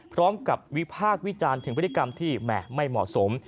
พร้อมกับวิพากษ์วิจารณ์ถึงพฤติกรรมที่แหม่ไม่เหมาะสม